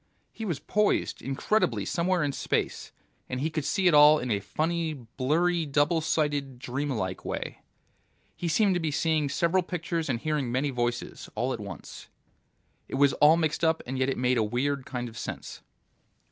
He was poised incredibly somewhere in space, and he could see it all in a funny, blurry double sighted, dream like way. He seemed to be seeing several pictures and hearing many voices, all at once. It was all mixed up, and yet it made a weird kind of sense.